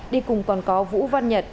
đi cùng còn có vũ văn nhật